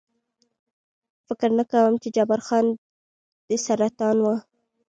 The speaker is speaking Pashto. فکر نه کوم، چې جبار خان دې سرطان و.